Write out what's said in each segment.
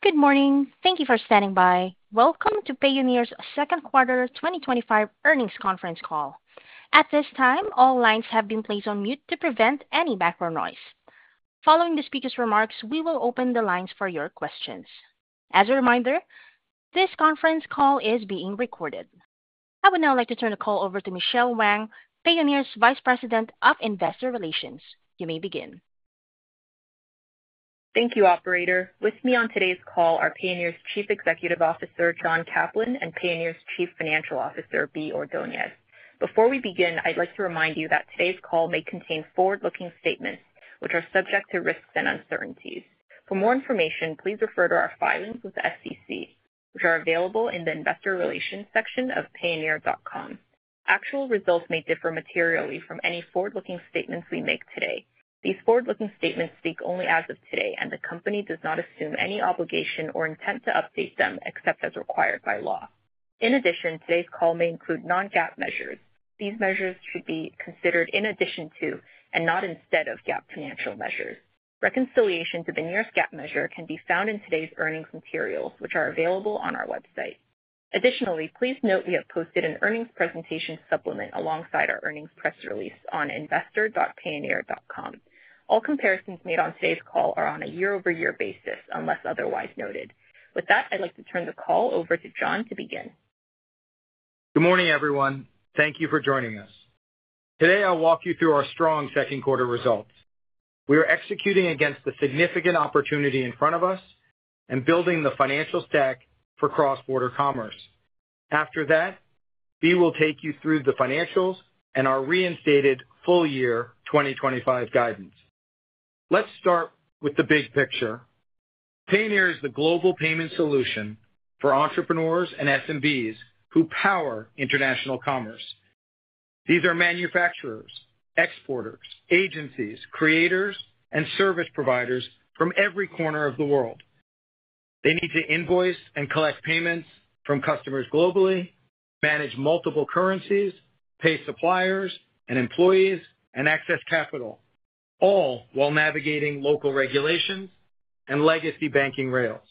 Good morning. Thank you for standing by. Welcome to Payoneer's Second Quarter 2025 Earnings Conference Call. At this time, all lines have been placed on mute to prevent any background noise. Following the speaker's remarks, we will open the lines for your questions. As a reminder, this conference call is being recorded. I would now like to turn the call over to Michelle Wang, Payoneer's Vice President of Investor Relations. You may begin. Thank you, operator. With me on today's call are Payoneer's Chief Executive Officer John Caplan and Payoneer's Chief Financial Officer Bea Ordonez. Before we begin, I'd like to remind you that today's call may contain forward-looking statements which are subject to risks and uncertainties. For more information, please refer to our filings with the SEC, which are available in. The Investor Relations section of payoneer.com actual results may differ materially from any forward-looking statements we make today. These forward-looking statements speak only as of today, and the Company does not assume any obligation or intent to update them except as required by law. In addition, today's call may include non-GAAP measures. These measures should be considered in addition to and not instead of GAAP financial measures. Reconciliation to the nearest GAAP measure can be found in today's earnings material, which are available on our website. Additionally, please note we have posted an earnings presentation supplement alongside our earnings press release on investor.payoneer.com. All comparisons made on today's call are on a year over year basis unless otherwise noted. With that, I'd like to turn the call over to John to begin. Good morning everyone. Thank you for joining us today. I'll walk you through our strong second quarter results. We are executing against the significant opportunity in front of us and building the financial stack for cross-border commerce. After that, Bea Ordonez will take you through the financials and our reinstated full year 2025 guidance. Let's start with the big picture. Payoneer is the global payment solution for entrepreneurs and SMBs who power international commerce. These are manufacturer exporter agencies, creator and service providers from every corner of the world. They need to invoice and collect payments from customers globally, manage multiple currencies, pay suppliers and employees, and access capital, all while navigating local regulations and legacy banking rails.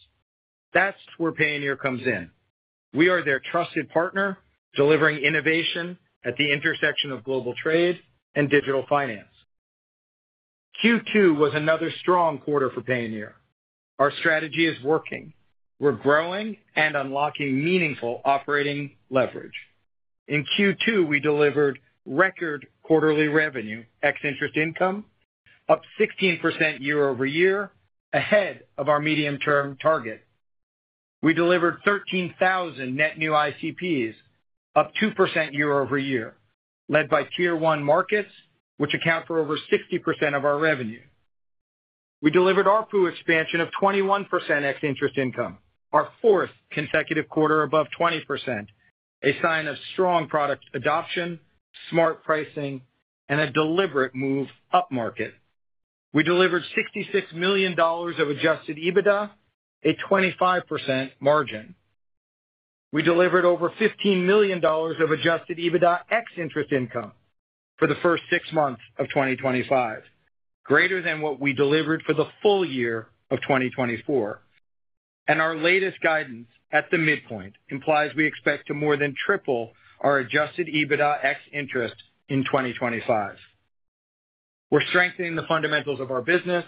That's where Payoneer comes in. We are their trusted partner, delivering innovation at the intersection of global trade and digital finance. Q2 was another strong quarter for Payoneer. Our strategy is working. We're growing and unlocking meaningful operating leverage. In Q2, we delivered record quarterly revenue ex interest income, up 16% year-over-year, ahead of our medium-term target. We delivered 13,000 net new ICPs, up 2% year-over-year, led by tier 1 markets which account for over 60% of our revenue. We delivered ARPU expansion of 21% ex interest income, our fourth consecutive quarter above 20%, a sign of strong product adoption, smart pricing, and a deliberate move up market. We delivered $66 million of adjusted EBITDA, a 25% margin. We delivered over $15 million of adjusted EBITDA ex interest income for the first six months of 2025, greater than what we delivered for the full year of 2024, and our latest guidance at the midpoint implies we expect to more than triple our adjusted EBITDA ex interest in 2025. We're strengthening the fundamentals of our business,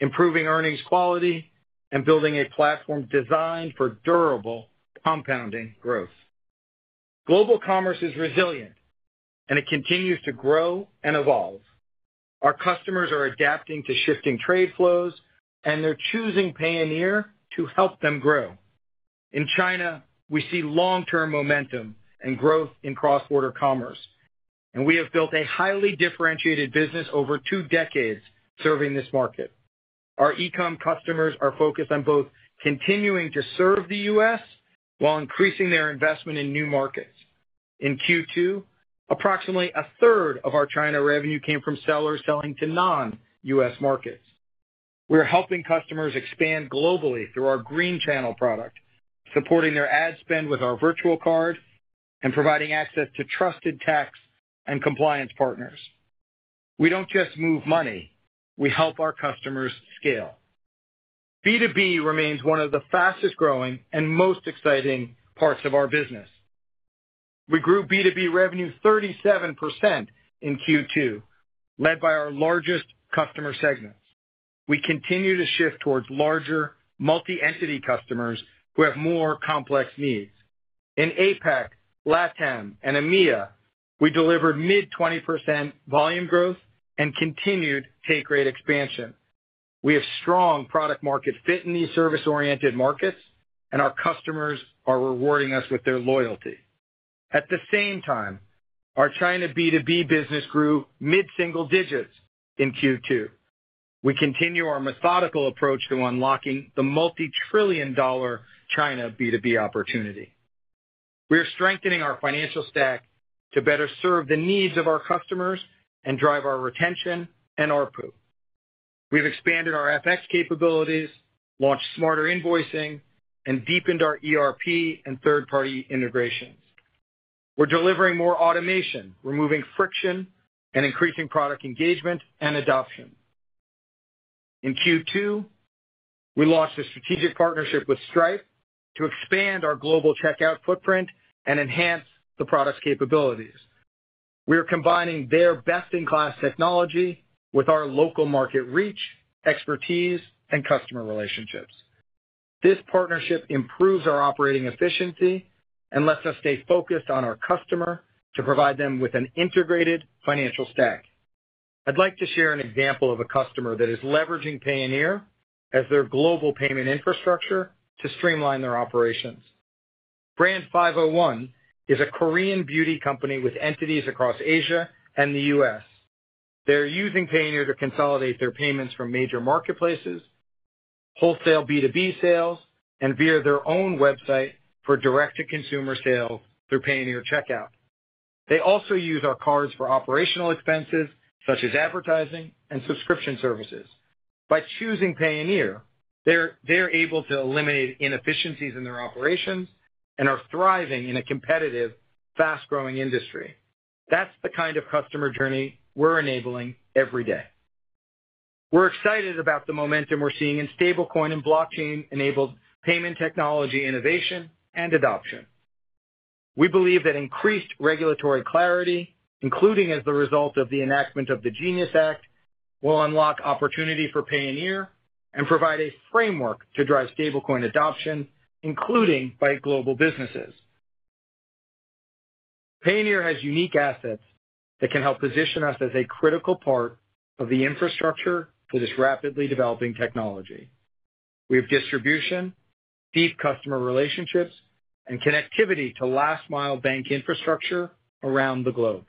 improving earnings quality, and building a platform designed for durable compounding growth. Global commerce is resilient and it continues to grow and evolve. Our customers are adapting to shifting trade flows and they're choosing Payoneer to help them grow. In China, we see long-term momentum and growth in cross-border commerce, and we have built a highly differentiated business over two decades serving this market. Our e-commerce customers are focused on both continuing to serve the U.S. while increasing their investment in new markets. In Q2, approximately 1/3 of our China revenue came from sellers selling to non-U.S. markets. We're helping customers expand globally through our Green Channel product, supporting their ad spend with our virtual card, and providing access to trusted tax and compliance partners. We don't just move money, we help our customers scale. B2B remains one of the fastest growing and most exciting parts of our business. We grew B2B revenue 37% in Q2 led by our largest customer segments. We continue to shift towards larger multi-entity customers who have more complex needs. In APAC, LATAM, and EMEA, we delivered mid 20% volume growth and continued take rate expansion. We have strong product market fit in these service-oriented markets, and our customers are rewarding us with their loyalty. At the same time, our China B2B business grew mid single digits. In Q2, we continue our methodical approach to unlocking the multi-trillion dollar China B2B opportunity. We are strengthening our financial stack to better serve the needs of our customers and drive our retention and ARPU. We've expanded our FX capabilities, launched smarter invoicing, and deepened our ERP and third-party integrations. We're delivering more automation, removing friction, and increasing product engagement and adoption. In Q2, we launched a strategic partnership with Stripe to expand our global checkout footprint and enhance the product's capabilities. We are combining their best-in-class technology with our local market reach, expertise, and customer relationships. This partnership improves our operating efficiency and lets us stay focused on our customer to provide them with an integrated financial stack. I'd like to share an example of a customer that is leveraging Payoneer as their global payment infrastructure to streamline their operations. BRAND 501 is a Korean beauty company with entities across Asia and the U.S. They're using Payoneer to consolidate their payments from major marketplaces, wholesale B2B sales, and via their own website for direct-to-consumer sale through Payoneer checkout. They also use our cards for operational expenses such as advertising and subscription services. By choosing Payoneer, they're able to eliminate inefficiencies in their operations and are thriving in a competitive, fast-growing industry. That's the kind of customer journey we're enabling every day. We're excited about the momentum we're seeing in stablecoin and blockchain-enabled payment technology innovation and adoption. We believe that increased regulatory clarity, including as the result of the enactment of the GENIUS Act, will unlock opportunity for Payoneer and provide a framework to drive stablecoin adoption, including by global businesses. Payoneer has unique assets that can help position us as a critical part of the infrastructure for this rapidly developing technology. We have distribution, deep customer relationships, and connectivity to last-mile bank infrastructure around the globe.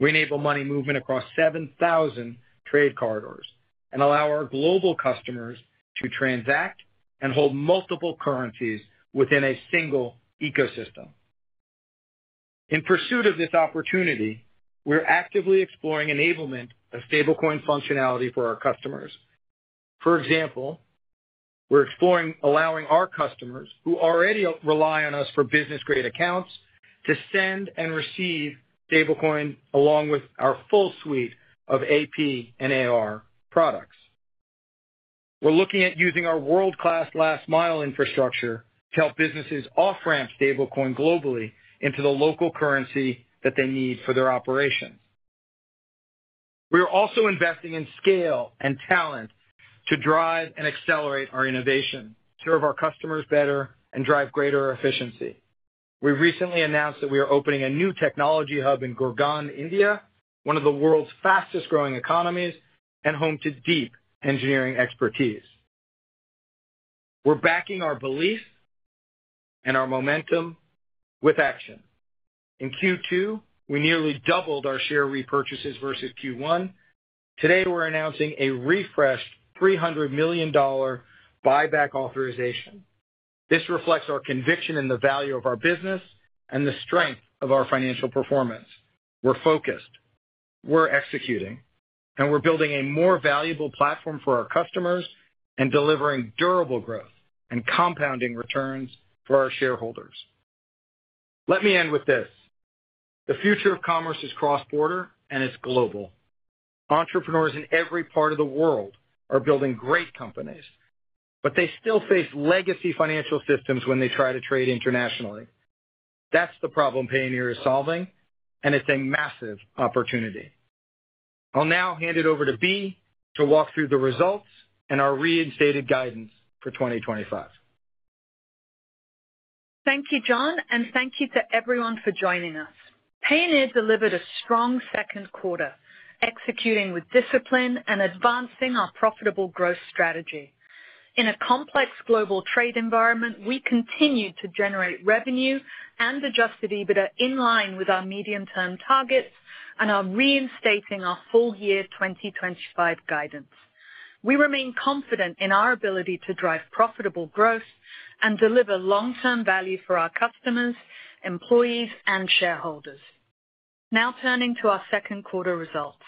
We enable money movement across 7,000 trade corridors and allow our global customers to transact and hold multiple currencies within a single ecosystem. In pursuit of this opportunity, we're actively exploring enablement of stablecoin functionality for our customers. For example, we're exploring allowing our customers who already rely on us for business-grade accounts to send and receive stablecoin along with our full suite of AP and AR products. We're looking at using our world-class last-mile infrastructure to help businesses off-ramp stablecoin globally into the local currency that they need for their operation. We are also investing in scale and talent to drive and accelerate our innovation, serve our customers better, and drive greater efficiency. We recently announced that we are opening a new technology hub in Gurgaon, India, one of the world's fastest-growing economies and home to deep engineering expertise. We're backing our beliefs and our momentum with action. In Q2 we nearly doubled our share repurchases versus Q1. Today we're announcing a refreshed $300 million buyback authorization. This reflects our conviction in the value of our business and the strength of our financial performance. We're focused, we're executing, and we're building a more valuable platform for our customers and delivering durable growth and compounding returns for our shareholders. Let me end with this. The future of commerce is cross-border and it's global. Entrepreneurs in every part of the world are building great companies, but they still face legacy financial systems when they try to trade internationally. That's the problem Payoneer is solving and it's a massive opportunity. I'll now hand it over to Bea to walk through the results and our reinstated guidance for 2025. Thank you John and thank you to everyone for joining us. Payoneer delivered a strong second quarter, executing with discipline and advancing our profitable growth strategy in a complex global trade environment. We continue to generate revenue and adjusted EBITDA in line with our medium term targets and are reinstating our full year 2025 guidance. We remain confident in our ability to drive profitable growth and deliver long term value for our customers, employees, and shareholders. Now turning to our second quarter results,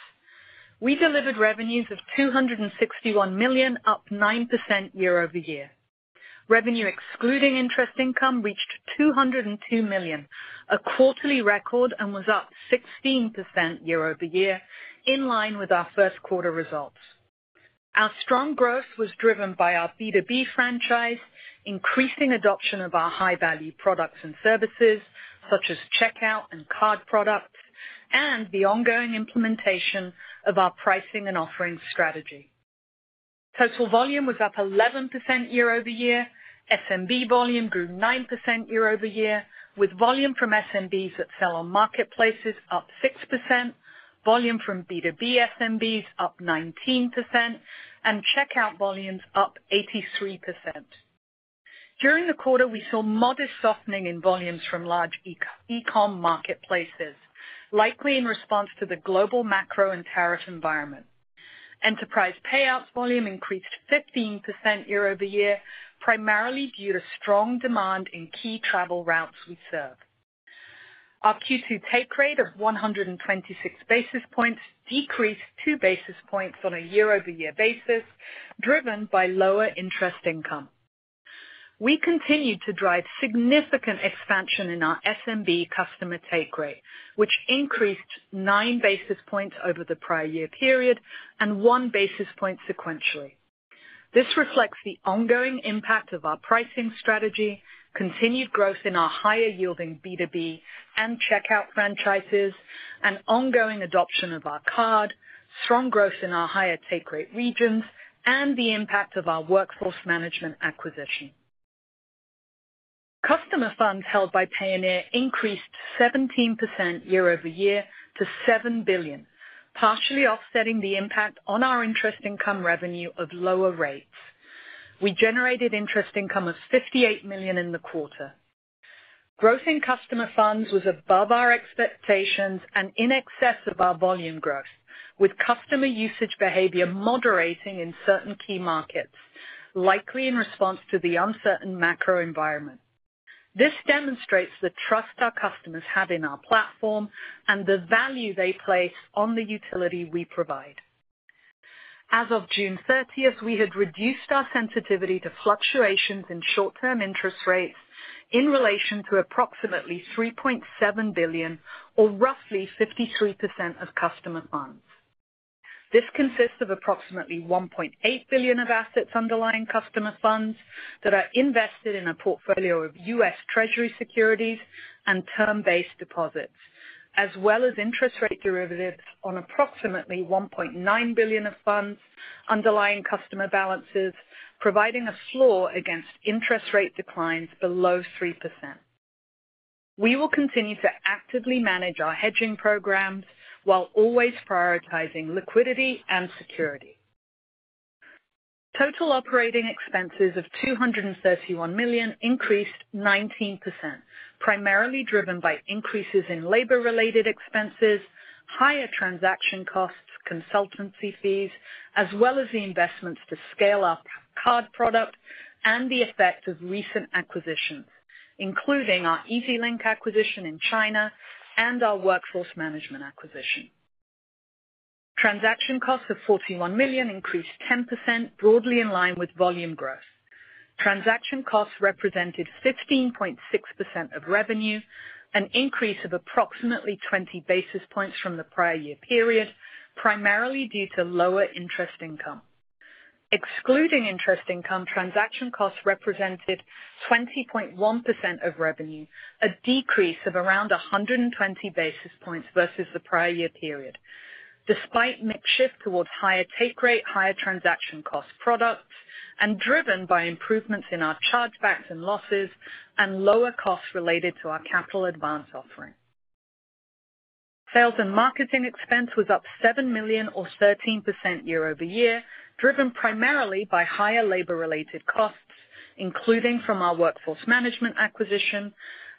we delivered revenues of $261 million, up 9% year-over-year. Revenue excluding interest income reached $202 million, a quarterly record, and was up 16% year-over-year in line with our first quarter results. Our strong growth was driven by our B2B franchise, increasing adoption of our high value products and services such as checkout and card solutions, and the ongoing implementation of our pricing and offering strategy. Total volume was up 11% year-over-year. SMB volume grew 9% year-over-year, with volume from SMBs that sell on marketplaces up 6%, volume from B2B SMBs up 19%, and checkout volumes up 83%. During the quarter, we saw modest softening in volumes from large e-commerce marketplaces, likely in response to the global macro and tariff environment. Enterprise payouts volume increased 15% year-over-year, primarily due to strong demand in key travel routes we serve. Our Q2 take rate of 126 basis points decreased 2 basis points on a year over year basis, driven by lower interest income. We continued to drive significant expansion in our SMB customer take rate, which increased 9 basis points over the prior year period and 1 basis point sequentially. This reflects the ongoing impact of our pricing strategy, continued growth in our higher yielding B2B and checkout franchises, ongoing adoption of our card solutions, strong growth in our higher take rate regions, and the impact of our workforce management acquisition. Customer funds held by Payoneer increased 17% year-over-year to $7 billion, partially offsetting the impact on our interest income revenue of lower rates. We generated interest income of $58 million in the quarter. Growth in customer funds was above our expectations and in excess of our volume growth, with customer usage behavior moderating in certain key markets, likely in response to the uncertain macro environment. This demonstrates the trust our customers have in our platform and the value they place on the utility we provide. As of June 30, we had reduced our sensitivity to fluctuations in short-term interest rates in relation to approximately $3.7 billion or roughly 53% of customer funds. This consists of approximately $1.8 billion of assets underlying customer funds that are invested in a portfolio of U.S. Treasury securities and term-based deposits as well as interest rate derivatives on approximately $1.9 billion of funds underlying customer balances, providing a floor against interest rate declines below 3%. We will continue to actively manage our hedging programs while always prioritizing liquidity and security. Total operating expenses of $231 million increased 19%, primarily driven by increases in labor-related expenses, higher transaction costs, consultancy fees, as well as the investments to scale up card product and the effect of recent acquisitions including our EasyLink acquisition in China and our workforce management acquisition. Transaction cost of $41 million increased 10%, broadly in line with volume growth. Transaction costs represented 15.6% of revenue, an increase of approximately 20 basis points from the prior year period, primarily due to lower interest income. Excluding interest income, transaction costs represented 20.1% of revenue, a decrease of around 120 basis points versus the prior year period despite mix shift towards higher take rate, higher transaction cost products and driven by improvements in our chargebacks and loss losses and lower costs related to our CATL advance offering. Sales and marketing expense was up $7 million or 13% year-over-year, driven primarily by higher labor-related costs including from our workforce management acquisition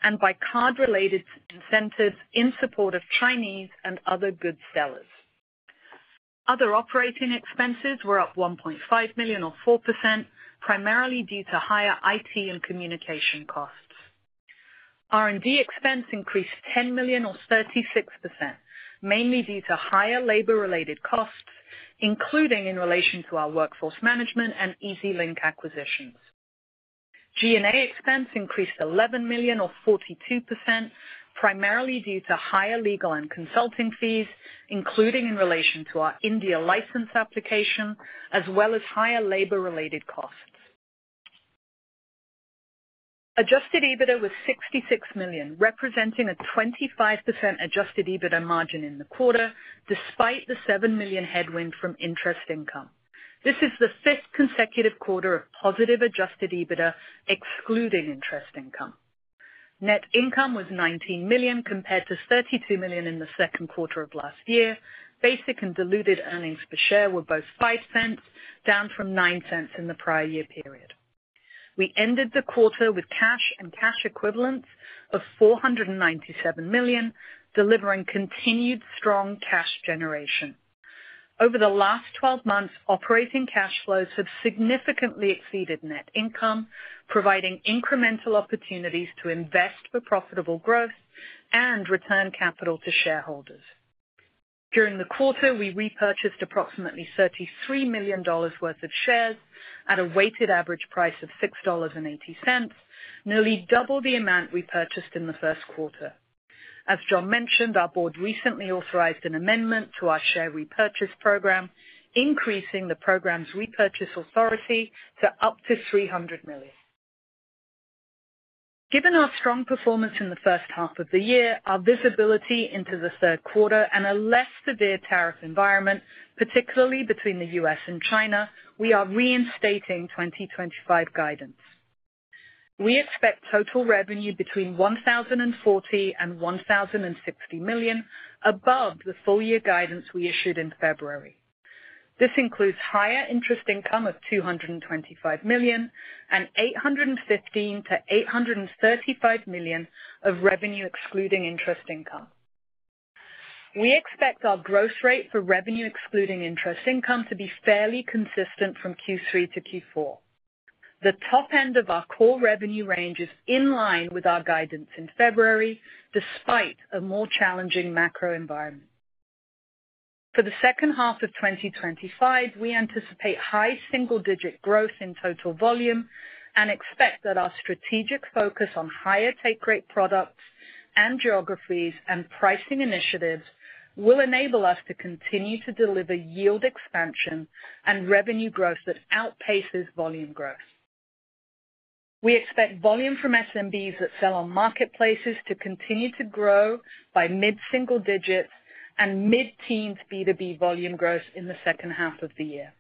and by card-related incentives in support of Chinese and other goods sellers. Other operating expenses were up $1.5 million or 4%, primarily due to higher IT and communication costs. R&D expense increased $10 million or 36%, mainly due to higher labor-related costs including in relation to our workforce management and EasyLink acquisitions. G&A expense increased $11 million or 42%, primarily due to higher legal and consulting fees including in relation to our India license application as well as higher labor-related costs. Adjusted EBITDA was $66 million, representing a 25% adjusted EBITDA margin in the quarter despite the $7 million headwind from interest income. This is the fifth consecutive quarter of positive adjusted EBITDA excluding interest income. Net income was $19 million compared to $32 million in the second quarter of last year. Basic and diluted earnings per share were both $0.05, down from $0.09 in the prior year period. We ended the quarter with cash and cash equivalents of $497 million, delivering continued strong cash generation. Over the last 12 months, operating cash flows have significantly exceeded net income, providing incremental opportunities to invest for profitable growth and return capital to shareholders. During the quarter, we repurchased approximately $33 million worth of shares at a weighted average price of $6.80, nearly double the amount we purchased in the first quarter. As John mentioned, our board recently authorized an amendment to our share repurchase program, increasing the program's repurchase authority to up to $300 million. Given our strong performance in the first half of the year, our visibility into the third quarter, and a less severe tariff environment, particularly between the U.S. and China, we are reinstating 2025 guidance. We expect total revenue between $1,040 million-$1,060 million, above the full year guidance we issued in February. This includes higher interest income of $225 million and $815 million-$835 million of revenue excluding interest income. We expect our growth rate for revenue excluding interest income to be fairly consistent from Q3 to Q4. The top end of our core revenue range is in line with our guidance in February. Despite a more challenging macro environment for the second half of 2025, we anticipate high single digit growth in total volume and expect that our strategic focus on higher take rate products and geographies and pricing initiatives will enable us to continue to deliver yield expansion and revenue growth that outpaces volume growth. We expect volume from SMBs that sell on marketplaces to continue to grow by mid single digits and mid teens B2B volume growth in the second half of the year.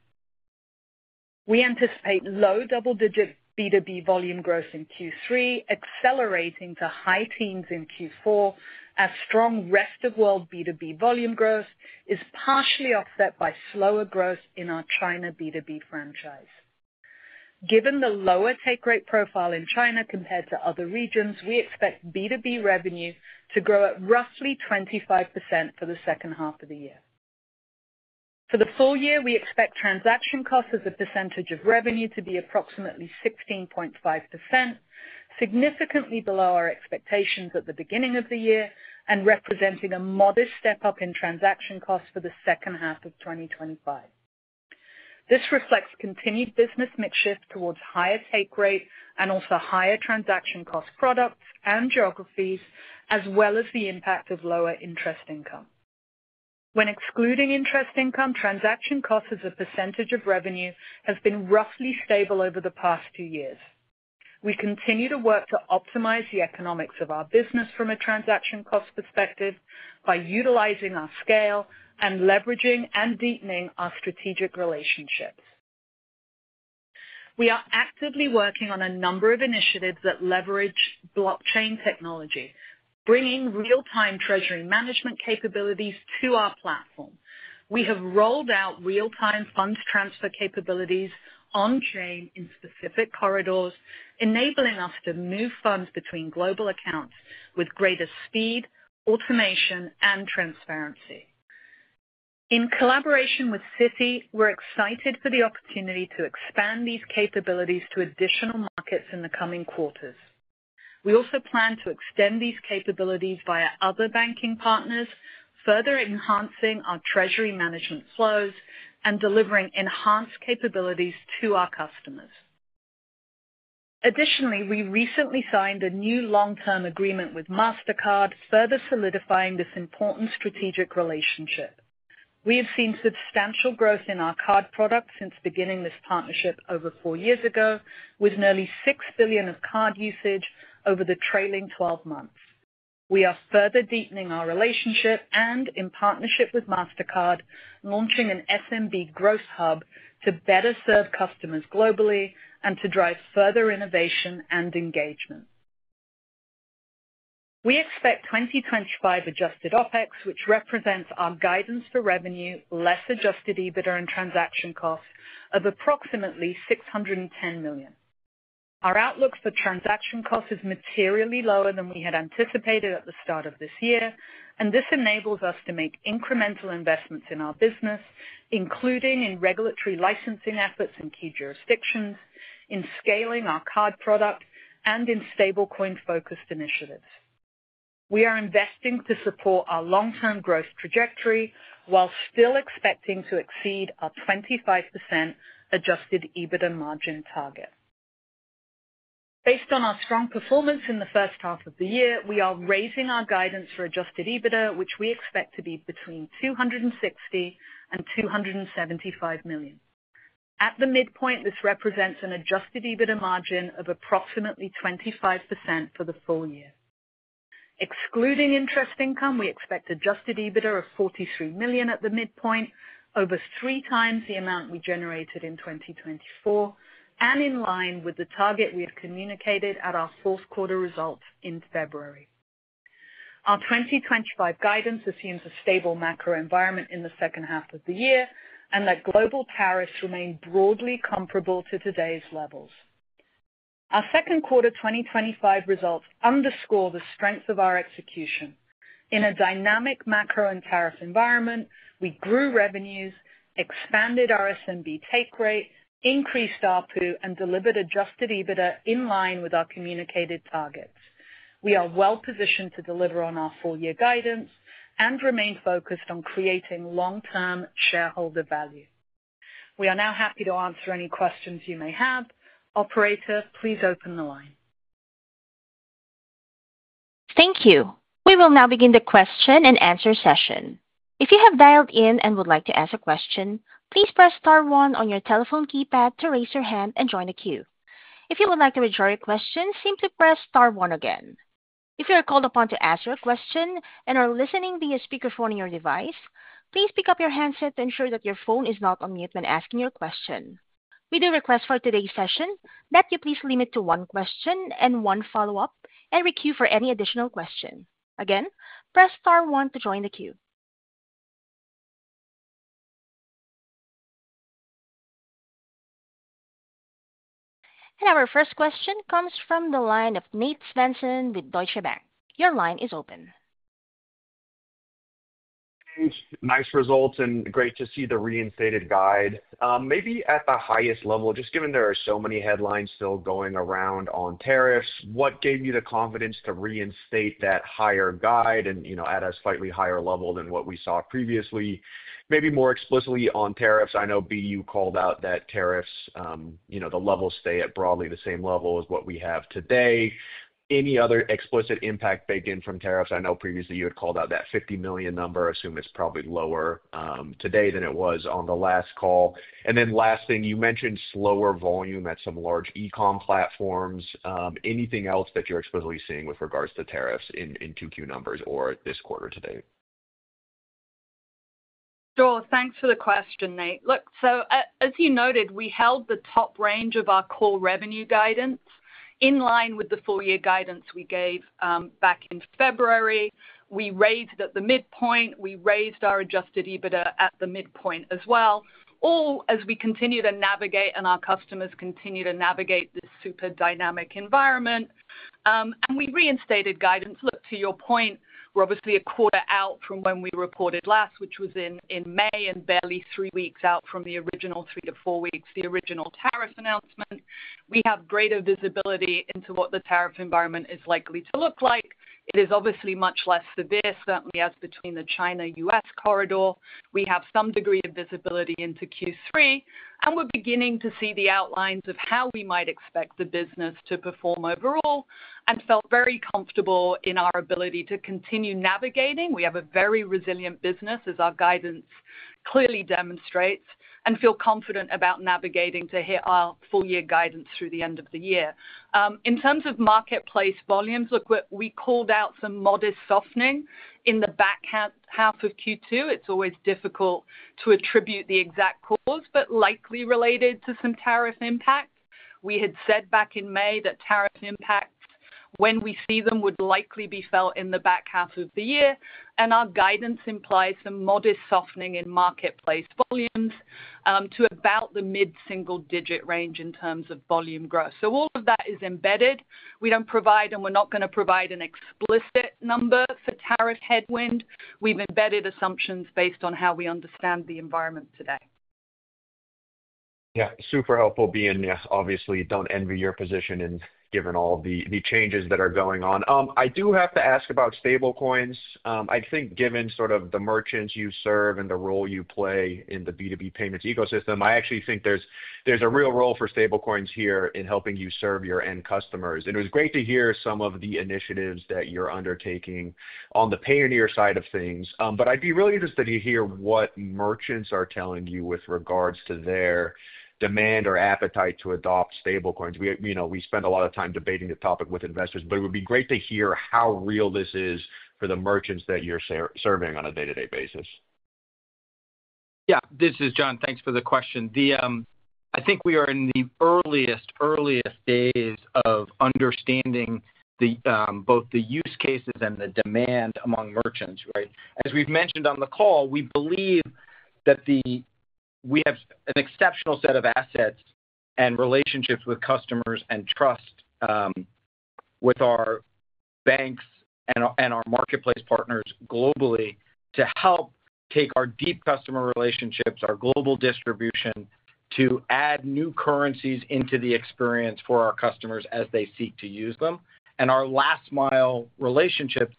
We anticipate low double digit B2B volume growth in Q3, accelerating to high teens in Q4 as strong rest of world B2B volume growth is partially offset by slower growth in our China B2B franchise. Given the lower take rate profile in China compared to other regions, we expect B2B revenue to grow at roughly 25% for the second half of the year. For the full year, we expect transaction costs as a percentage of revenue to be approximately 16.5%, significantly below our expectations at the beginning of the year and representing a modest step up in transaction costs for the second half of 2025. This reflects continued business mix shift towards higher take rate and also higher transaction cost products and geographies, as well as the impact of lower interest income. When excluding interest income, transaction cost as a percentage of revenue has been roughly stable over the past two years. We continue to work to optimize the economics of our business from a transaction cost perspective by utilizing our scale and leveraging and deepening our strategic relationships. We are actively working on a number of initiatives that leverage blockchain technology, bringing real time treasury management capabilities to our platform. We have rolled out real-time fund. Transfer capabilities on chain in specific corridors, enabling us to move funds between global accounts with greater speed, automation, and transparency. In collaboration with Citi, we're excited for the opportunity to expand these capabilities to additional markets in the coming quarters. We also plan to extend these capabilities via other banking partners, further enhancing our treasury management flows and delivering enhanced capabilities to our customers. Additionally, we recently signed a new long-term agreement with Mastercard, further solidifying this important strategic relationship. We have seen substantial growth in our card solutions since beginning this partnership over four years ago, with nearly $6 billion of card usage over the trailing 12 months. We are further deepening our relationship and, in partnership with Mastercard, launching an SMB Gross Hub to better serve customers globally and to drive further innovation and engagement. We expect 2025 adjusted OpEx, which represents our guidance for revenue less adjusted EBITDA and transaction costs, of approximately $610 million. Our outlook for transaction cost is materially lower than we had anticipated at the start of this year, and this enables us to make incremental investments in our business, including in regulatory licensing efforts in key jurisdictions, in scaling our card solutions, and in stablecoin-focused initiatives. We are investing to support our long-term growth trajectory while still expecting to exceed our 25% adjusted EBITDA margin target. Based on our strong performance in the first half of the year, we are raising our guidance for adjusted EBITDA, which we expect to be between $260 million-$275 million at the midpoint. This represents an adjusted EBITDA margin of approximately 25% for the full year, excluding interest income. We expect adjusted EBITDA of $43 million at the midpoint, over 3x the amount we generated in 2024 and in line with the target we had communicated at our fourth quarter result in February. Our 2025 guidance assumes a stable macro environment in the second half of the year and that global tariffs remain broadly comparable to today's levels. Our second quarter 2025 results underscore the strength of our execution in a dynamic macro and tariff environment. We grew revenues, expanded our SMB take rate, increased ARPU, and delivered adjusted EBITDA in line with our communicated targets. We are well positioned to deliver on our full year guidance and remain focused on creating long-term shareholder value. We are now happy to answer any questions you may have. Operator, please open the line. Thank you. We will now begin the question and answer session. If you have dialed in and would like to ask a question, please press star one on your telephone keypad to raise your hand and join the queue. If you would like to withdraw your question, simply press star one again. If you are called upon to ask your question and are listening via speakerphone in your device, please pick up your handset to ensure that your phone is not on mute when asking your question. We do request for today's session that you please limit to one question and one follow-up and requeue for any additional question. Again, press star one to join the queue. Queue. Our first question comes from the line of Nate Svensson with Deutsche Bank. Your line is open. Nice results and great to see the reinstated guide. Maybe at the highest level, just given there are so many headlines still going around on tariffs, what gave you the confidence to reinstate that higher guide, and at a slightly higher level than what we saw previously, maybe more explicitly on tariffs? I know you called out that tariffs, the levels stay at broadly the same level as what we have today. Any other explicit impact baked in from tariffs? I know previously you had called out that $50 million number. Assume it's probably lower today than it was on the last call. Last thing, you mentioned slower volume at some large e-commerce platforms. Anything else that you're supposedly seeing with regards to tariffs in Q2 numbers or this quarter to date? Thanks for the question, Nate. Look, as you noted, we held the top range of our core revenue guidance in line with the full year guidance we gave back in February. We raised at the midpoint. We raised our adjusted EBITDA at the midpoint as well, all as we continue to navigate and our customers continue to navigate this super dynamic environment, and we reinstated guidance. To your point, we're obviously a quarter out from when we reported last, which was in May and barely three weeks out from the original three to four weeks, the original tariff announcement. We have greater visibility into what the tariff environment is likely to look like. It is obviously much less severe. Certainly, as between the China U.S. corridor, we have some degree of visibility into Q3, and we're beginning to see the outlines of how we might expect the business to perform overall and felt very comfortable in our ability to continue navigating. We have a very resilient business, as our guidance clearly demonstrates, and feel confident about navigating to hit our full year guidance through the end of the year. In terms of marketplace volumes, what we called out is some modest softening in the back half of Q2. It's always difficult to attribute the exact cause, but likely related to some tariff impact. We had said back in May that tariff impacts, when we see them, would likely be felt in the back half of the year, and our guidance implies some modest softening in marketplace volumes to about the mid single digit range in terms of volume growth. All of that is embedded. We don't provide and we're not going to provide an explicit number for tariff headwind. We've embedded assumptions based on how we. Understand the environment today. Yeah, super helpful. Yes, obviously don't envy your position given all the changes that are going on. I do have to ask about stablecoins. I think given the merchants you serve and the role you play in the B2B payments ecosystem, I actually think there's a real role for stablecoins helping you serve your end customers. It was great to hear some of the initiatives that you're undertaking on the Payoneer side of things. I'd be really interested to hear what merchants are telling you with regards to their demand or appetite to adopt stablecoins. We spend a lot of time debating the topic with investors. It would be great to hear how real this is for the merchants that you're serving on a day-to-day basis. Yeah, this is John, thanks for the question. I think we are in the earliest, earliest days of understanding both the use cases and the demand among merchants. Right. As we've mentioned on the call, we believe that we have an exceptional set of assets and relationships with customers and trust with our banks and our marketplace partners globally to help take our deep customer relationships, our global distribution to add new currencies into the experience for our customers as they seek to use them, and our last-mile relationship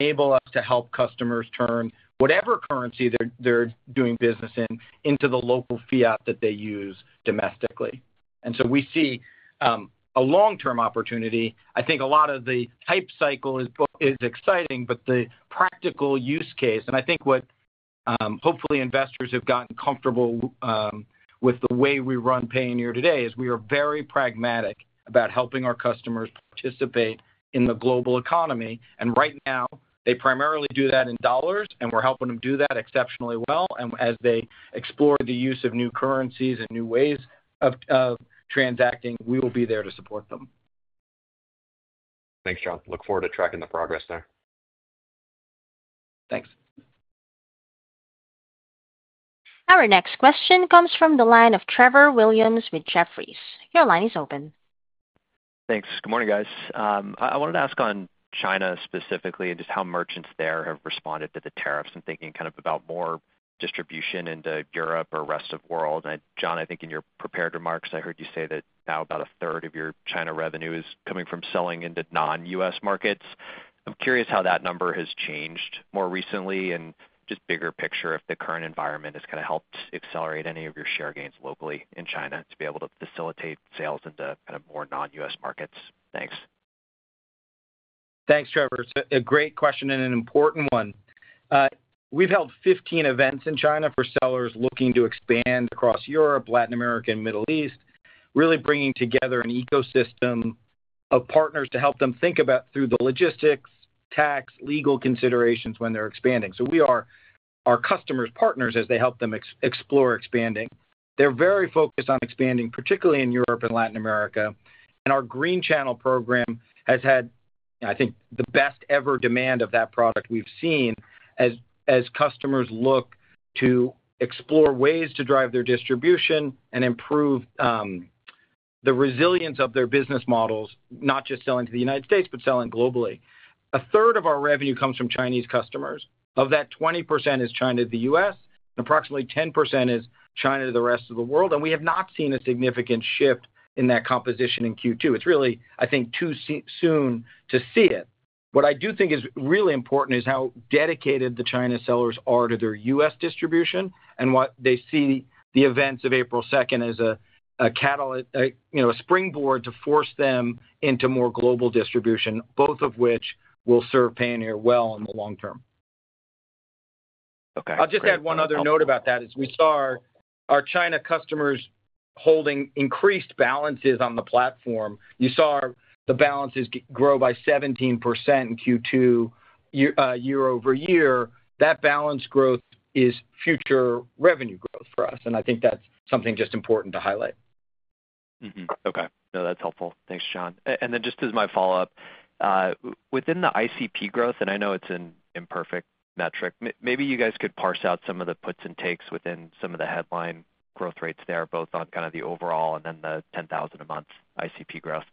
enables us to help customers turn whatever currency they're doing business in into the local fiat that they use domestically. We see a long-term opportunity. I think a lot of the hype cycle is exciting, but the practical use case, and I think what hopefully investors have gotten comfortable with the way we run Payoneer today, is we are very pragmatic about helping our customers participate in the global economy. Right now they primarily do that in dollars, and we're helping them do that exceptionally well. As they explore the use of new currencies and new ways of transacting, we will be there to support them. Thanks, John. Look forward to tracking the progress there. Thanks. Our next question comes from the line of Trevor Williams with Jefferies. Your line is open. Thanks. Good morning guys. I wanted to ask on China specifically and just how merchants there have responded to the tariffs and thinking kind of about more distribution into Europe or rest of world. John, I think in your prepared remarks I heard you say that now about 1/3 of your China revenue is coming from selling into non-U.S. markets. I'm curious how that number has changed more recently and just bigger picture if the current environment has kind of helped accelerate any of your share gains locally in China to be able to facilitate sales into more non-U.S. markets. Thanks. Thanks, Trevor. It's a great question and an important one. We've held 15 events in China for sellers looking to expand across Europe, Latin America, and the Middle East, really bringing together an ecosystem of partners to help them think about the logistics, tax, and legal considerations when they're expanding. We are our customers' partners as they help them explore expanding. They're very focused on expanding, particularly in Europe and Latin America. Our Green Channel program has had, I think, the best ever demand for that product we've seen as customers look to explore ways to drive their distribution and improve the resilience of their business models, not just selling to the U.S., but selling globally. A third of our revenue comes from Chinese customers. Of that, 20% is China to the U.S., and approximately 10% is China to the rest of the world. We have not seen a significant shift in that composition in Q2. It's really, I think, too soon to see it. What I do think is really important is how dedicated the China sellers are to their U.S. distribution and what they see the events of April 2nd as—a catalyst, a springboard to force them into more global distribution, both of which will serve Payoneer well in the long term. I'll just add one other note about that. As we saw our China customers holding increased balances on the platform, you saw the balances grow by 17% in Q2 year-over-year. That balance growth is future revenue growth for us, and I think that's something just important to highlight. Okay, that's helpful. Thanks, John. Just as my follow-up within the ICP growth, and I know it's an imperfect metric, maybe you guys could parse out some of the puts and takes within some of the headline growth rates there, both on the overall and then the $10,000 a month ICP growth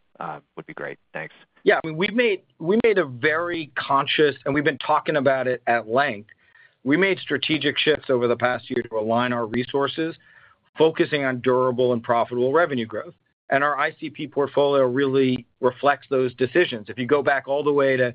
would be great. Thanks. Yeah, we made a very conscious and we've been talking about it at length. We made strategic shifts over the past year to align our resources focusing on durable and profitable revenue growth. Our ICP portfolio really reflects those decisions. If you go back all the way to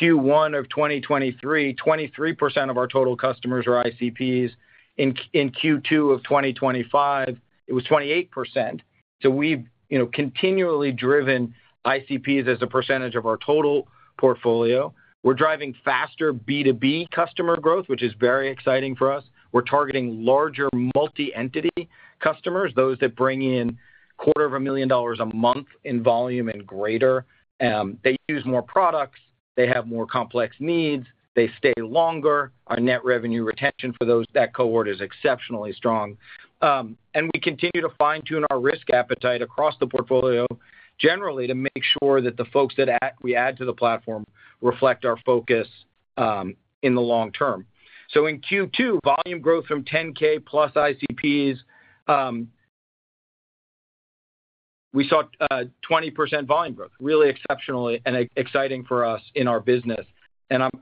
Q1 of 2023, 23% of our total customers are ICPs. In Q2 of 2025 it was 28%. We've continually driven ICPs as a percentage of our total portfolio. We're driving faster B2B customer growth, which is very exciting for us. We're targeting larger multi-entity customers, those that bring in $250,000 a month in volume and greater, they use more products, they have more complex needs, they stay longer. Our net revenue retention for that cohort is exceptionally strong. We continue to fine tune our risk appetite across the portfolio generally to make sure that the folks that we add to the platform reflect our focus in the long term. In Q2, volume growth from 10,000+ ICPs, we saw 20% volume growth. Really exceptional and exciting for us in our business.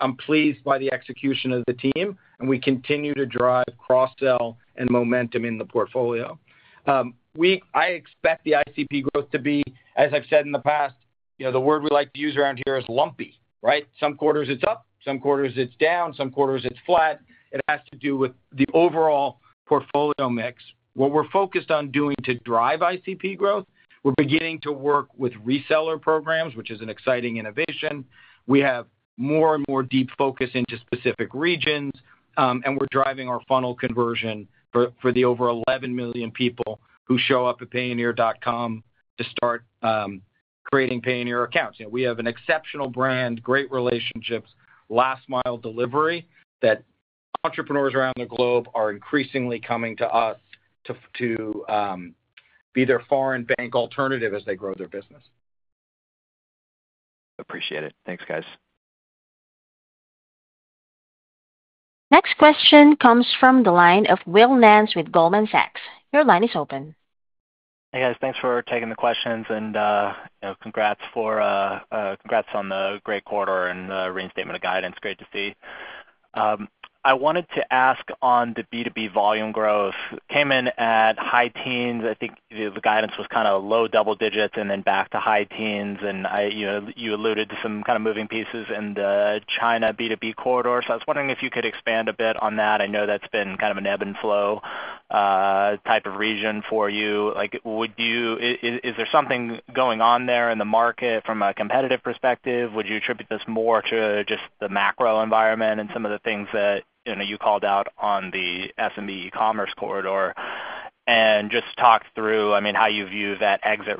I'm pleased by the execution of the team and we continue to drive cross-sell and momentum in the portfolio. I expect the ICP growth to be, as I've said in the past, the word we like to use around here is lumpy, right? Some quarters it's up, some quarters it's down, some quarters it's flat. It has to do with the overall portfolio mix. What we're focused on doing to drive ICP growth, we're beginning to work with reseller programs, which is an exciting innovation. We have more and more deep focus into specific regions and we're driving our funnel conversion for the over 11 million people who show up at payoneer.com to start creating Payoneer accounts. We have an exceptional brand, great relationships, last-mile delivery that entrepreneurs around the globe are increasingly coming to us to be their foreign bank alternative as they grow their business. Appreciate it. Thanks guys. Next question comes from the line of Will Nance with Goldman Sachs. Your line is open. Hey guys, thanks for taking the questions and congrats on the great quarter and reinstatement of guidance. Great to see. I wanted to ask on the B2B volume growth came in at high teens. I think the guidance was kind of low double digits and then back to high teens. You alluded to some kind of moving pieces in the China B2B corridor. I was wondering if you could expand a bit on that. I know that's been an ebb and flow type of region for you. Is there something going on there in the market from a competitive perspective? Would you attribute this more to just the macro environment and some of the things that you called out on the SMB e-commerce corridor? Just talk through how you view that exit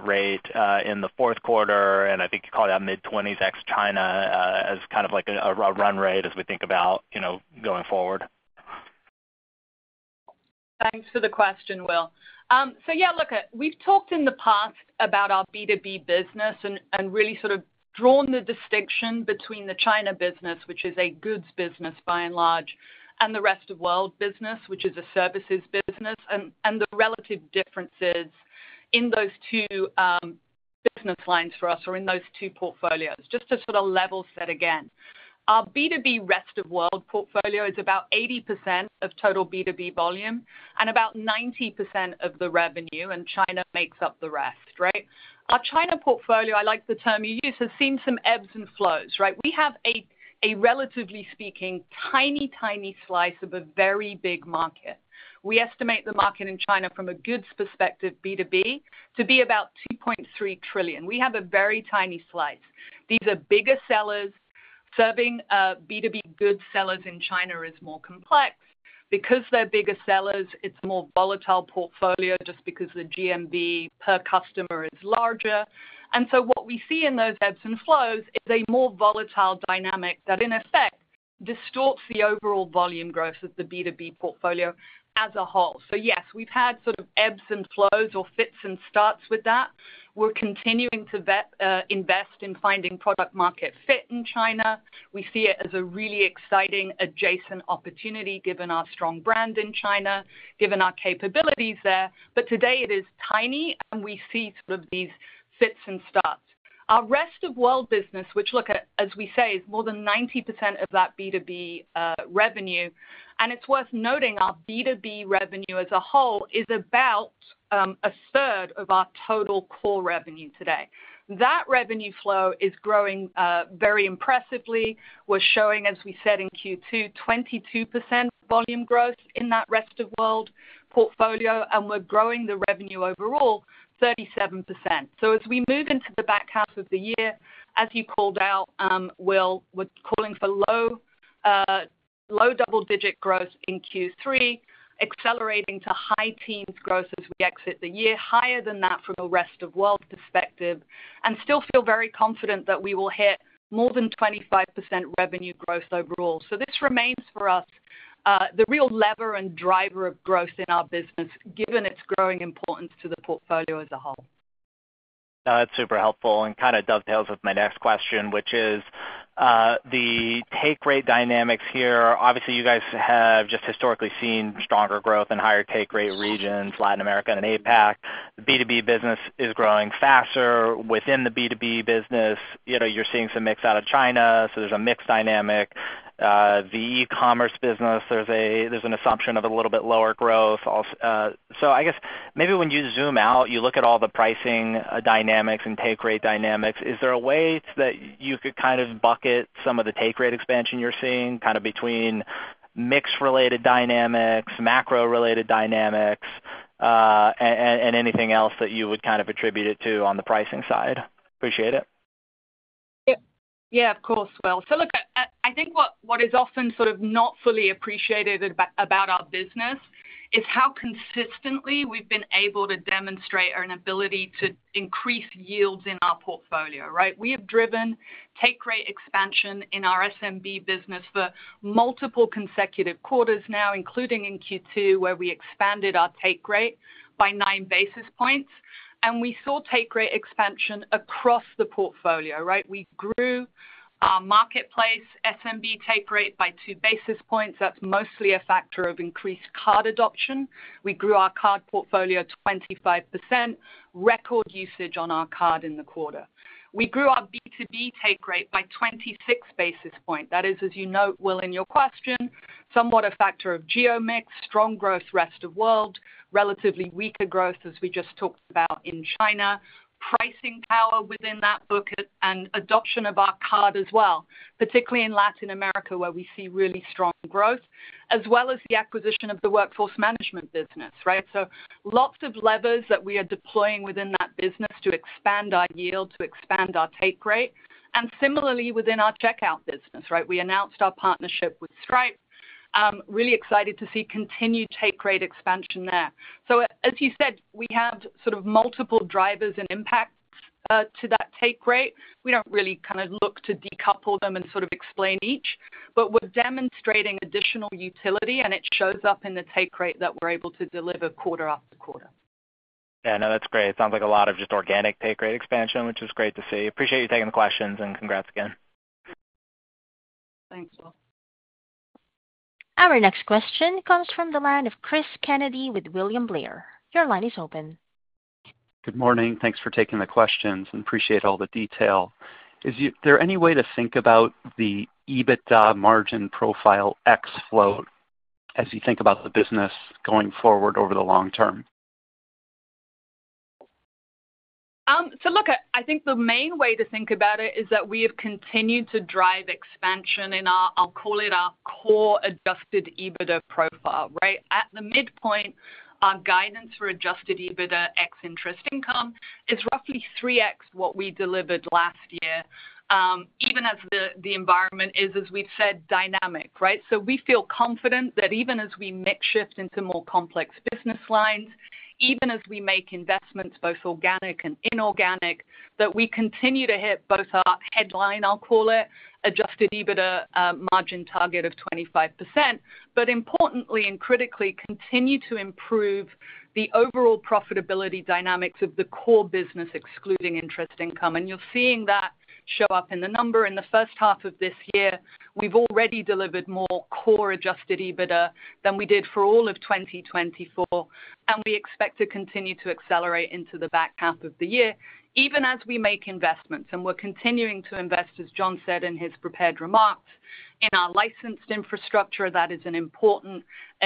in the fourth quarter, and I think you call that mid-20% ex China as kind of like a run rate as we think about going forward. Thanks for the question, Will. Yeah, look we've talked in the past about our B2B business and really sort of drawn the distinction between the China business, which is a goods business by and large, and the rest of world business, which is a services business. The relative differences in those two business lines for us, or in those two portfolios, just to sort of level set again, our B2B rest of world portfolio is about 80% of total B2B volume and about 90% of the revenue, and China makes up the rest. Right? Our China portfolio, I like the term you use, has seen some ebbs and flows. We have a relatively speaking tiny, tiny slice of a very big market. We estimate the market in China from a goods perspective B2B to be about $0.3 trillion. We have a very tiny slice. These are bigger sellers. Serving B2B goods sellers in China is more complex because they're bigger sellers. It's a more volatile portfolio just because the GMV per customer is larger. What we see in those ebbs and flows is a more volatile dynamic that in effect distorts the overall volume growth of the B2B portfolio as a whole. Yes, we've had sort of ebbs and flows or fits and starts with that. We're continuing to invest in finding product market fit in China. We see it as a really exciting adjacent opportunity given our strong brand in China, given our capabilities there. Today it is tiny and we see these fits and starts. Our rest of world business, which as we say is more than 90% of that B2B revenue, and it's worth noting our B2B revenue as a whole is about 1/3 of our total core revenue today. That revenue flow is growing very impressively. We're showing, as we said in Q2, 22% volume growth in that rest of world portfolio and we're growing the revenue overall 37%. As we move into the back half of the year, as you pulled out, we're calling for low double digit growth in Q3, accelerating to high teens growth as we exit the year, higher than that from a rest of world perspective, and still feel very confident that we will hit more than 25% revenue growth overall. This remains for us the real lever and driver of growth in our business given its growing importance to the. Portfolio as a whole. That's super helpful and kind of dovetails with my next question, which is the take rate dynamics here. Obviously, you guys have just historically seen stronger growth in higher take rate regions, Latin America and APAC. The B2B business is growing faster. Within the B2B business, you're seeing some mix out of China, so there's a mix dynamic. The e-commerce business, there's an assumption of a little bit lower growth. I guess maybe when you zoom out, you look at all the pricing dynamics and take rate dynamics, is there a way that you could kind of bucket some of the take rate expansion you're seeing between mix related dynamics, macro related dynamics, and anything else that you would attribute it to on the pricing side? Appreciate it. Yeah, of course. I think what is often sort of not fully appreciated about our business is how consistently we've been able to demonstrate our ability to increase yields in our portfolio. We have driven take rate expansion in our SMB business for multiple consecutive quarters now, including in Q2 where we expanded our take rate by 9 basis points, and we saw take rate expansion across the portfolio. Right. We grew our marketplace SMB take rate by 2 basis points. That's mostly a factor of increased card adoption. We grew our card portfolio 25%. Record usage on our card in the quarter. We grew our B2B take rate by 26 basis points. That is, as you note in your question, somewhat a factor of geo mix, strong growth, rest of world, relatively weaker growth as we just talked about in China, pricing power within that book, and adoption of our card as well. Particularly in Latin America where we see really strong growth as well as the acquisition of the workforce management business. Lots of levers that we are deploying within that business to expand our yield, to expand our take rate. Similarly, within our checkout business, we announced our partnership with Stripe. Really excited to see continued take rate expansion there. As you said, we had sort of multiple drivers and impacts to that take rate. We don't really kind of look to decouple them and sort of explain each, but we're demonstrating additional utility and it shows up in the take rate that we're able to deliver quarter after quarter. Yeah, no, that's great. It sounds like a lot of just. Organic take rate expansion, which is great to see. Appreciate you taking the questions, and congrats again. Thanks Will. Our next question comes from the line of Cris Kennedy with William Blair. Your line is open. Good morning. Thanks for taking the questions and appreciate all the detail. Is there any way to think about the EBITDA margin profile X float as you think about the business going forward over the long term? I think the main way to think about it is that we have continued to drive expansion in our, I'll call it our core adjusted EBITDA profile right at the midpoint. Our guidance for adjusted EBITDA X interest income is roughly 3x what we delivered last year, even as the environment is, as we've said, dynamic. We feel confident that even as we mix shift into more complex business lines, even as we make investments both organic and inorganic, that we continue to hit both our headline, I'll call it, adjusted EBITDA margin target of 25% and, importantly and critically, continue to improve the overall profitability dynamics of the core business excluding interest income. You're seeing that show up in the number in the first half of this year. We've already delivered more core adjusted EBITDA than we did for all of 2024 and we expect to continue to accelerate into the back half of the year even as we make investments. We're continuing to invest, as John said in his prepared remarks, in our licensed infrastructure that is an important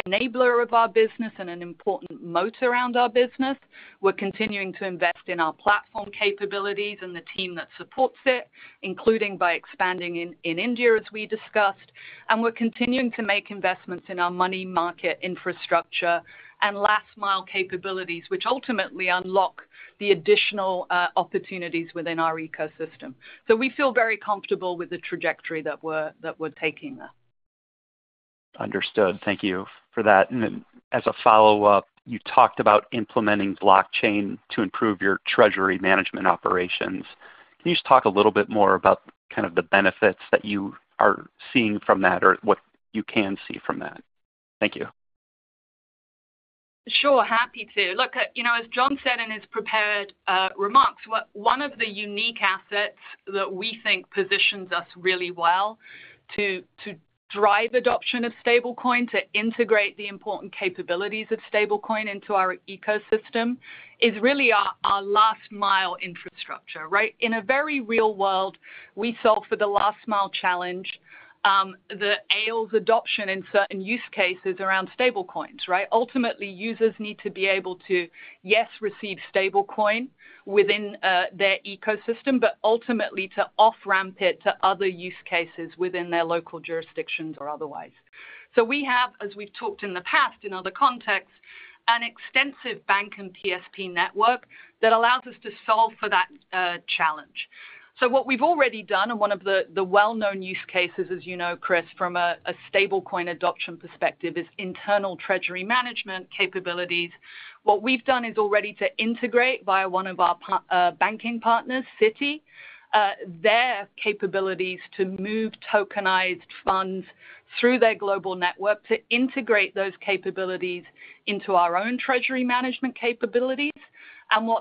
enabler of our business and an important moat around our business. We're continuing to invest in our platform capabilities and the team that supports it, including by expanding in India as we discussed. We're continuing to make investments in our money market infrastructure and last-mile capabilities, which ultimately unlock the additional opportunities within our ecosystem. We feel very comfortable with the trajectory that we're taking there. Understood. Thank you for that. As a follow up, you talked about implementing blockchain to improve your treasury management operations. Can you just talk a little bit more about the benefits that you are seeing from that or what you can see from that? Thank you. Sure. Happy to look, as John said in his prepared remarks, one of the unique assets that we think positions us really well is to drive adoption of stablecoin. To integrate the important capabilities of stablecoin into our ecosystem is really our last-mile infrastructure. Right. In a very real world we solve for the last-mile challenge, the [AI} adoption in certain use cases around stablecoins. Right. Ultimately users need to be able to, yes, receive stablecoin within their ecosystem, but ultimately to off ramp it to other use cases within their local jurisdictions or otherwise. We have, as we've talked in the past in other contexts, an extensive bank and PSP network that allows us to solve for that challenge. What we've already done and one of the well-known use cases, as you know Chris, from a stablecoin adoption perspective, is internal treasury management capabilities. What we've done is already to integrate via one of our banking partners, Citi, their capabilities to move tokenized funds through their global network to integrate those capabilities into our own treasury management capabilities.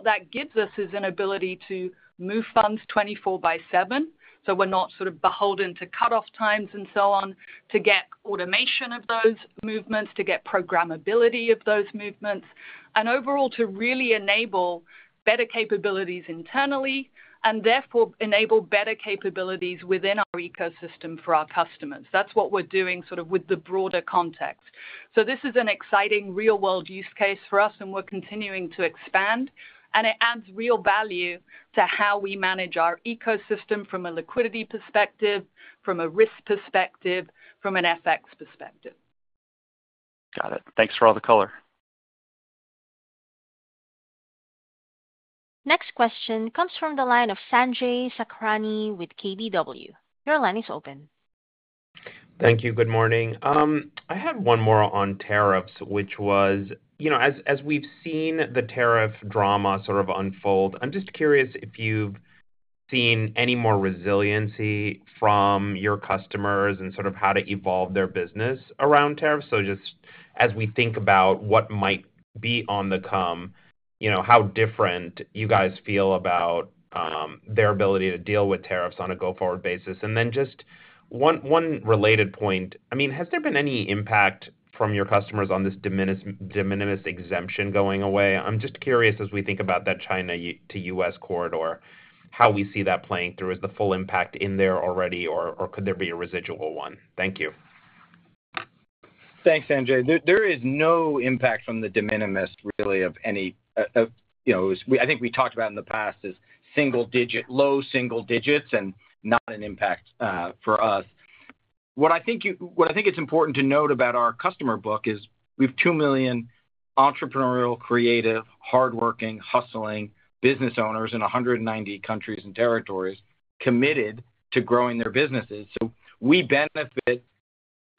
That gives us an ability to move funds 24 by 7 so we're not sort of beholden to cutoff times and so on to get automation of those movements, to get programmability of those movements, and overall to really enable better capabilities internally and therefore enable better capabilities within our ecosystem for our customers. That's what we're doing with the broader context. This is an exciting real world use case for us and we're continuing to expand and it adds real value to how we manage our ecosystem from a liquidity perspective, from a risk perspective. From an FX perspective. Got it. Thanks for all the color. Next question comes from the line of Sanjay Sakhrani with KBW. Your line is open. Thank you. Good morning. I have one more on tariffs, which was, as we've seen the tariff drama sort of unfold, I'm just curious if you've seen any more resiliency from your customers and how to evolve their business around tariffs. Just as we think about what might be on the come, how different you guys feel about their ability to deal with tariffs on a go forward basis. One related point, has there been any impact from your customers on this de minimis exemption going away? I'm just curious as we think about that China to U.S. corridor, how we see that playing through. Is the full impact in there already or could there be a residual one? Thank you. Thanks, Sanjay. There is no impact from the de minimis really of any. I think we talked about in the past is single digit, low single digits and not an impact for us. What I think it's important to note about our customer book is we have 2 million entrepreneurial, creative, hardworking, hustling business owners in 190 countries and territories committed to growing their businesses. We benefit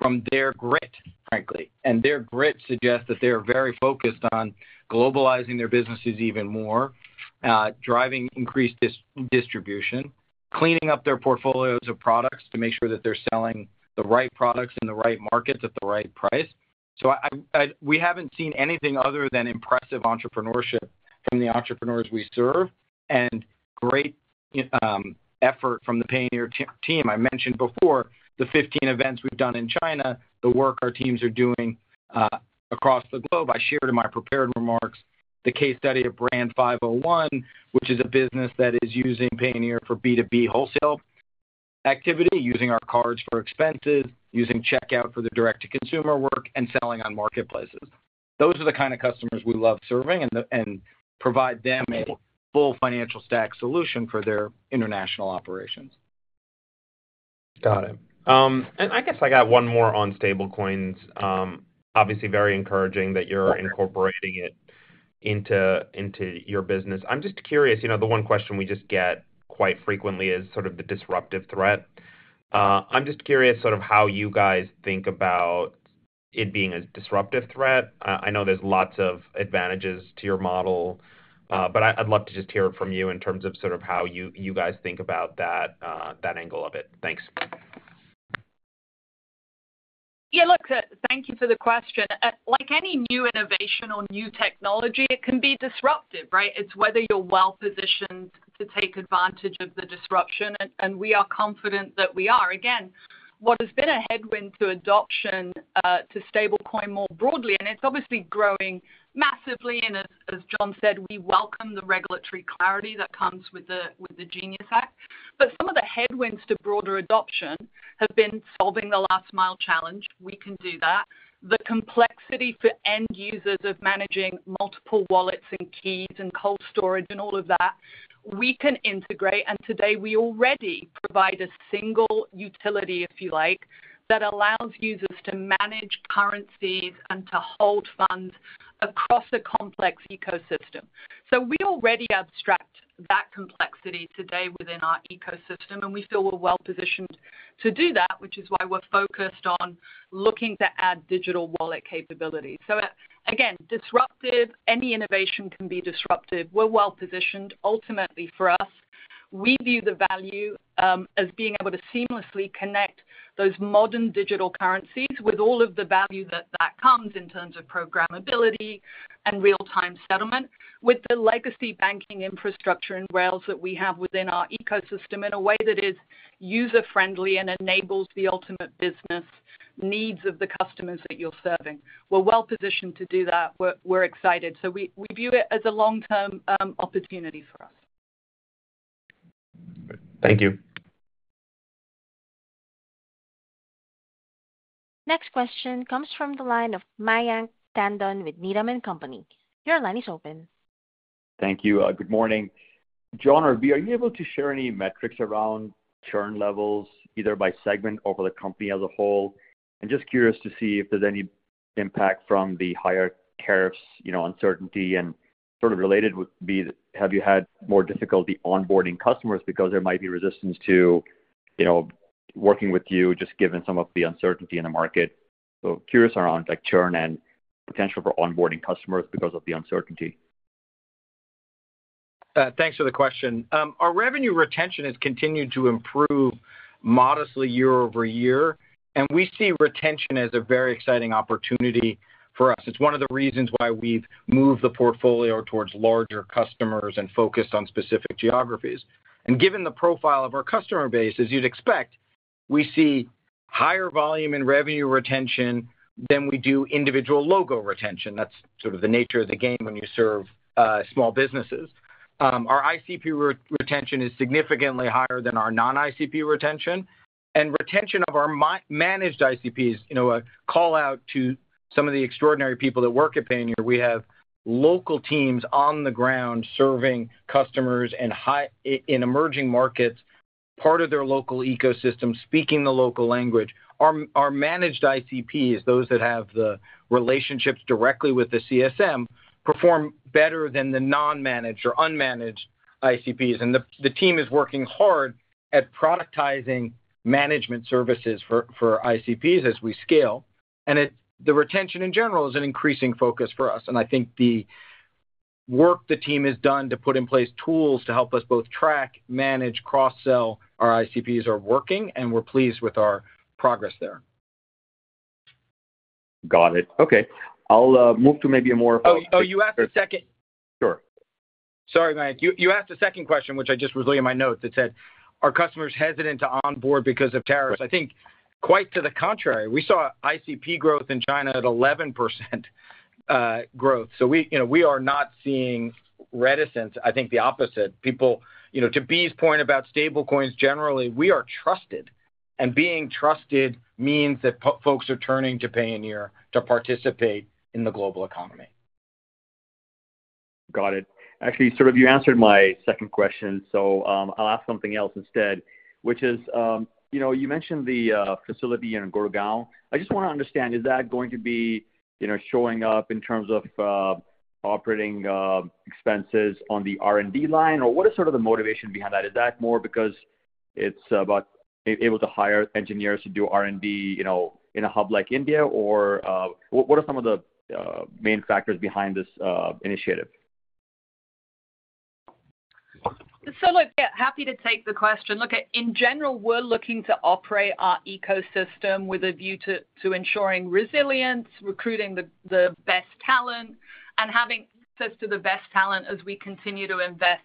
from their grit, frankly. Their grit suggests that they're very focused on globalizing their businesses even more, driving increased distribution, cleaning up their portfolios of products to make sure that they're selling the right products in the right markets at the right price. We haven't seen anything other than impressive entrepreneurship from the entrepreneurs we serve and great effort from the Payoneer team. I mentioned before the 15 events we've done in China, the work our teams are doing across the globe. I shared in my prepared remarks the case study of BRAND 501, which is a business that is using Payoneer for B2B wholesale activity, using our cards for expenses, using checkout for the direct to consumer work and selling on marketplaces. Those are the kind of customers we love serving and provide them a full financial stack solution for their international operations. Got it. I guess I got one more on stablecoins. Obviously, very encouraging that you're incorporating it into your business. I'm just curious, you know, the one question we get quite frequently is sort of the disruptive threat. I'm just curious how you guys think about it being a disruptive threat. I know there's lots of advantages to your model, but I'd love to just hear from you in terms of how you guys think about that angle of it. Thanks. Yeah, look, thank you for the question. Like any new innovation or new technology, it can be disruptive, right? It's whether you're well positioned to take advantage of the disruption. We are confident that we are. What has been a headwind to adoption to stablecoin more broadly, and it's obviously growing massively. As John said, we welcome the regulatory clarity that comes with the Genius Act. Some of the headwinds to broader adoption have been solving the last-mile challenge. We can do that. The complexity for end users of managing multiple wallets and keys and cold storage and all of that, we can integrate. Today we already provide a single utility, if you like, that allows users to manage currencies and to hold funds across a complex ecosystem. We already abstract that complexity today within our ecosystem, and we feel we're well positioned to do that, which is why we're focused on looking to add digital wallet capabilities. Disruptive. Any innovation can be disruptive. We're well positioned. Ultimately for us, we view the value as being able to seamlessly connect those modern digital currencies with all of the value that comes in terms of programmability and real-time settlement with the legacy banking infrastructure and rails that we have within our ecosystem in a way that is user friendly and enables the ultimate business needs of the customers that you're serving. We're well positioned to do that. We're excited. We view it as a long-term opportunity for us. Thank you. Next question comes from the line of Mayank Tandon with Needham & Company. Your line is open. Thank you. Good morning, John. Are you able to share any? Metrics around churn levels either by segment or the company as a whole, and just curious to see if there's any impact from the higher tariffs. You know, uncertainty and sort of related, would be have you had more difficulty onboarding customers because there might be resistance to, you know, working with you just given some of the uncertainty in the market. Curious around churn and potential for onboarding customers because of the uncertainty. Thanks for the question. Our revenue retention has continued to improve modestly year-over-year, and we see retention as a very exciting opportunity for us. It's one of the reasons why we've moved the portfolio towards larger customers and focused on specific geographies, and given the profile of our customer base, as you'd expect, we see higher volume and revenue retention than we do individual logo retention. That's sort of the nature of the game when you serve small businesses. Our ICP retention is significantly higher than our non-ICP retention and retention of our managed ICPs. A call out to some of the extraordinary people that work at Payoneer. We have local teams on the ground serving customers and high in emerging markets, part of their local ecosystem, speaking the local language. Our managed ICPs, those that have the relationships directly with the CSM, perform better than the non-managed or unmanaged ICPs. The team is working hard at productizing management services for ICPs as we scale, and retention in general is an increasing focus for us. I think the work the team has done to put in place tools to help us both track, manage, cross-sell. Our ICPs are working, and we're pleased with our progress there. Got it. Okay, I'll move to maybe a more. You asked a second. Sure. Sorry Mike, you asked the second question which I just was really in my notes. It said are customers hesitant to onboard because of tariffs? I think quite to the contrary. We saw ICP growth in China at 11%, so we are not seeing reticence. I think the opposite. You know, to Bea's point about stablecoins, generally we are trusted, and being trusted means that folks are turning to Payoneer to participate in the global economy. Got it. Actually, sort of. You answered my second question, so I'll ask something else instead, which is, you know, you mentioned the facility in Gurgaon. I just want to understand, is that going to be showing up in terms of operating expenses on the R&D line, or what is the motivation behind that? Is that more because it's about being able to hire engineers to do R&D in a hub like India, or what are some of the main factors behind this initiative? Happy to take the question. In general, we're looking to operate our ecosystem with a view to ensuring resilience, recruiting the best talent, and having access to the best talent as we continue to invest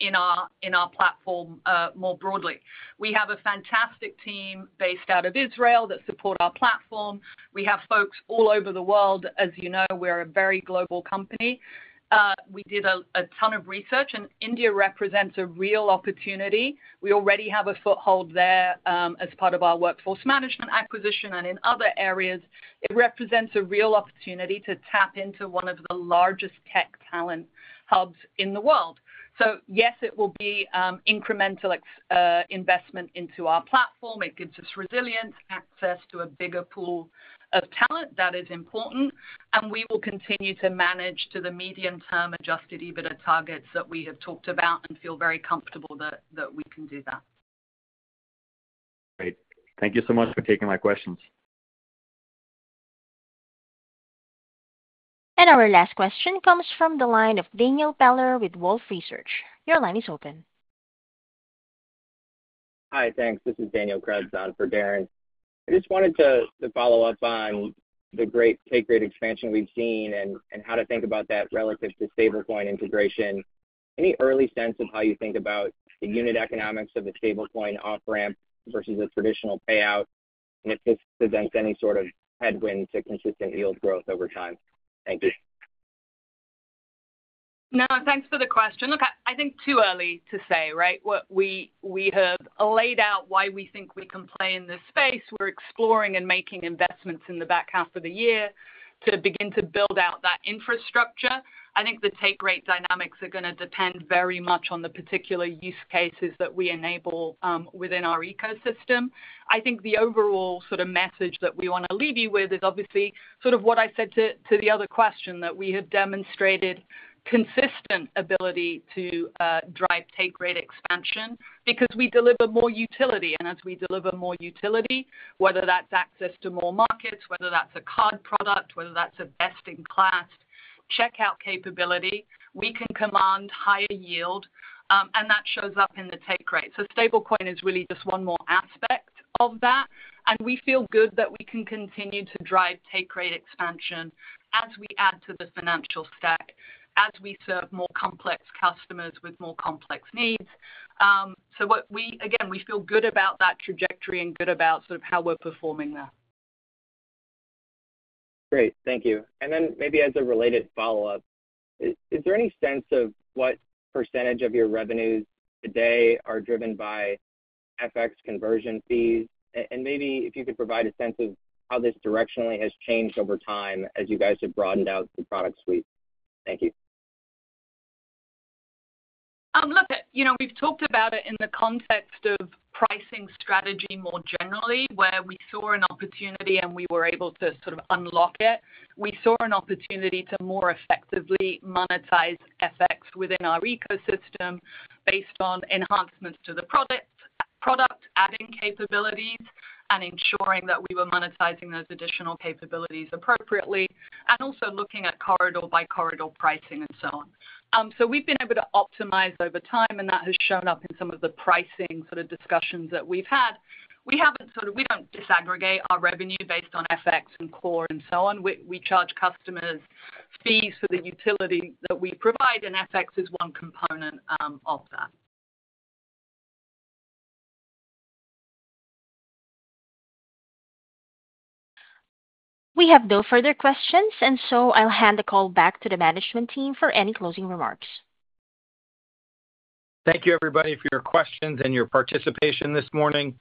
in our platform more broadly. We have a fantastic team based out of Israel that support our platform. We have folks all over the world. As you know, we are a very global company. We did a ton of research, and India represents a real opportunity. We already have a foothold there as part of our workforce management acquisition, and in other areas it represents a real opportunity to tap into one of the largest tech talent hubs in the world. Yes, it will be incremental investment into our platform. It gives us resilience, access to a bigger pool of talent that is important, and we will continue to manage to the medium-term adjusted EBITDA targets that we have talked about and feel very comfortable that we can do that. Great. Thank you so much for taking my questions. Our last question comes from the line of Darrin Peller with Wolfe Research. Your line is open. Hi, thanks. This is Daniel Krebs on for Darrin. I just wanted to follow up on the great take rate expansion we've seen and how to think about that relative to stablecoin integration. Any early sense of how you think about the unit economics of a stablecoin off ramp versus a traditional payout, and if this presents any sort of headwind to consistent yield growth over time. Thank you. No, thanks for the question. Look, I think too early to say, right. We have laid out why we think we can play in this space. We're exploring and making investments in the back half of the year to begin to build out that infrastructure. I think the take rate dynamics are going to depend very much on the particular use cases that we enable within our ecosystem. I think the overall sort of message that we want to leave you with is obviously sort of what I said to the other question that we have demonstrated consistent ability to drive take rate expansion because we deliver more utility. As we deliver more utility, whether that's access to more markets, whether that's a card product, whether that's a best in class checkout capability, we can command higher yield and that shows up in the take rate. Stablecoin is really just one more aspect of that. We feel good that we can continue to drive take rate expansion as we add to the financial stack as we serve more complex customers with more complex needs. Again, we feel good about that trajectory and good about how we're performing there. Great, thank you. Maybe as a related follow up, is there any sense of what percentage of your revenues today are driven by FX conversion fees? If you could provide a sense of how this directionally has changed over time as you guys have broadened. Out the product suite. Thank you. Look, we've talked about it in the context of pricing strategy more generally, where we saw an opportunity and we were able to unlock it. We saw an opportunity to more effectively monetize FX within our ecosystem based on enhancements to the product, adding capabilities and ensuring that we were monetizing those additional capabilities appropriately, and also looking at corridor by corridor pricing. We've been able to optimize over time and that has shown up in some of the pricing discussions that we've had. We don't disaggregate our revenue based on FX and core. We charge customers fees for the utility that we provide and FX is one component of that. We have no further questions. I'll hand the call back to the management team for any closing remarks. Thank you everybody for your questions and your participation this morning.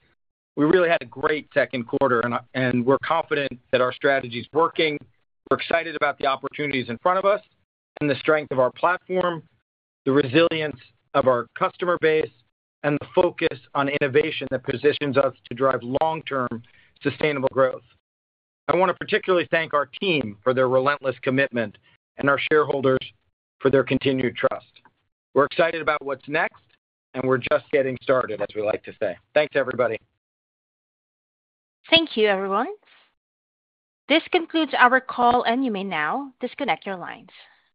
We really had a great second quarter, and we're confident that our strategy is working. We're excited about the opportunities in front of us and the strength of our platform, the resilience of our customer base, and the focus on innovation that positions us to drive long term sustainable growth. I want to particularly thank our team for their relentless commitment and our shareholders for their continued trust. We're excited about what's next, and we're just getting started, as we like to say. Thanks, everybody. Thank you, everyone. This concludes our call, and you may now disconnect your lines.